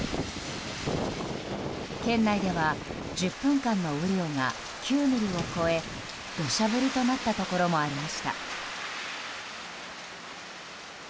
県内では１０分間の雨量が９ミリを超え土砂降りとなったところもありました。